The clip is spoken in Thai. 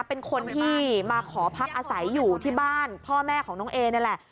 เป็นคนที่มาขอพักอาศัยอยู่ที่บ้านพ่อแม่ของน้องเอนี่แหละ